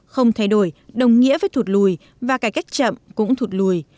không thay đổi đồng nghĩa với thụt lùi và cải cách chậm cũng thụt lùi